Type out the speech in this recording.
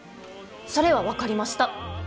それは分かりました！